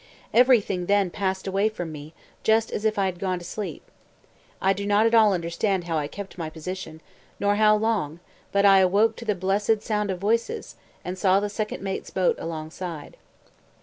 Everything then passed away from me, just as if I had gone to sleep. I do not at all understand how I kept my position, nor how long, but I awoke to the blessed sound of voices, and saw the second mate's boat alongside.